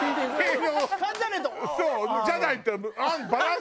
感じじゃないと。